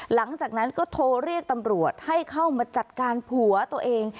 หลังจากนั้นก็โทรเรียกตำรวจให้เข้ามาจัดการผัวตัวเอง